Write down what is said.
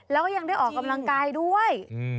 แล้วก็ยังได้ออกกำลังกายด้วย